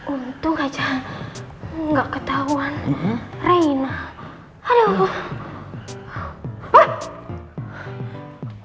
untuk aja nggak ketahuan reina aduh ah